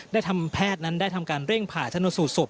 และทำแพทย์นั้นได้ทำการเร่งผ่าชนะสูดศพ